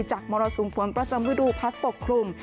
จากมรสูงฟ้นประจำวิดูพักปกครุม